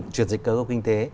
truyền dịch cơ của kinh tế